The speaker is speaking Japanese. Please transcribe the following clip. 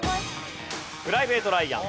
『プライベート・ライアン』